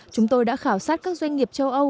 chúng tôi đã khảo sát các doanh nghiệp châu âu